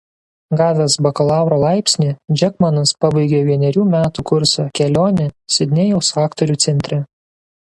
Gavęs bakalauro laipsnį Džekmanas pabaigė vienerių metų kursą „Kelionė“ Sidnėjaus aktorių centre.